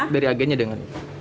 dari agennya dengan